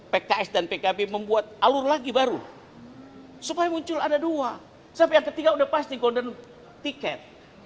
pks dan pkb membuat alur lagi baru supaya muncul ada dua sampai yang ketiga udah pasti golden ticket